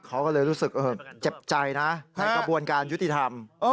เขาก็เลยรู้สึกเจ็บใจนะในกระบวนการยุติธรรม